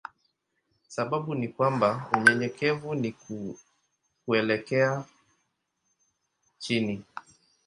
Sababu ni kwamba unyenyekevu ni kuelekea chini.